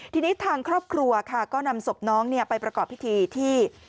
ทีนี้ทางครอบครัวค่ะก็นำศพน้องไปประกอบพิธีที่